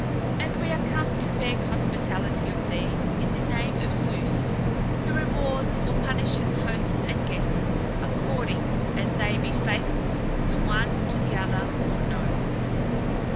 And we are come to beg hospitality of thee in the name of Zeus, who rewards or punishes hosts and guests according as they be faithful the one to the other, or no."